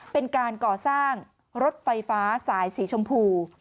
เป็นการก่อสร้างรถไฟฟ้าสายสีชมพู